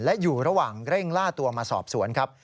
และอยู่ระหว่างเร่งล่าตัวมาสอบสวนครับ